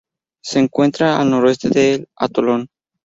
Se encuentra al noroeste del atolón.